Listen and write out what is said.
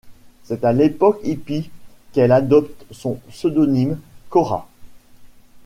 C'est à l'époque hippie qu'elle adopte son pseudonyme Kora.